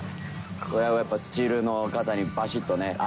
これはやっぱスチールの方にバシッとね。